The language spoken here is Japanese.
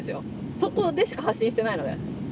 そこでしか発信してないので。